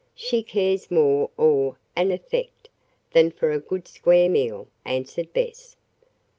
She cares more or an 'effect' than for a good square meal," answered Bess.